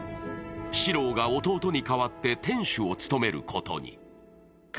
史朗が店主に代わって店主を務めることに。